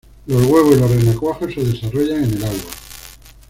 Los huevos y los renacuajos se desarrollan en el agua.